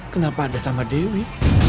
kenapa ada sama dewi